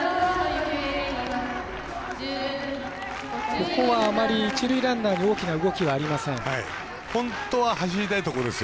ここはあまり一塁ランナーに大きな動きはありません。